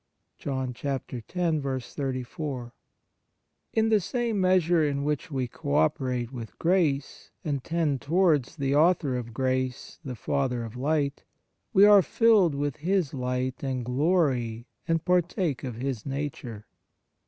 " 1 In the same measure in which we co operate with grace, and tend towards the Author of grace, the Father of light, we are filled with His light and glory and partake of His nature.